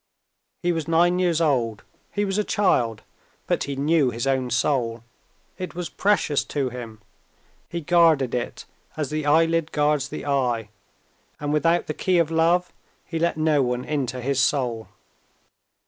He was nine years old; he was a child; but he knew his own soul, it was precious to him, he guarded it as the eyelid guards the eye, and without the key of love he let no one into his soul.